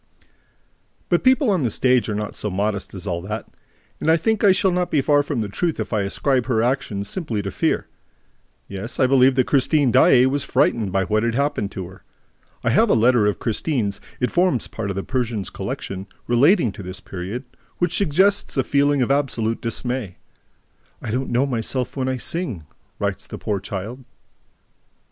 But people on the stage are not so modest as all that; and I think that I shall not be far from the truth if I ascribe her action simply to fear. Yes, I believe that Christine Daae was frightened by what had happened to her. I have a letter of Christine's (it forms part of the Persian's collection), relating to this period, which suggests a feeling of absolute dismay: "I don't know myself when I sing," writes the poor child.